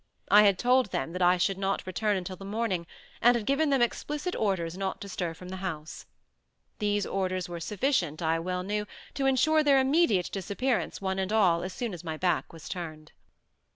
I had told them that I should not return until the morning, and had given them explicit orders not to stir from the house. These orders were sufficient, I well knew, to insure their immediate disappearance, one and all, as soon as my back was turned.